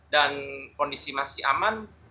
dan kondisi masih aman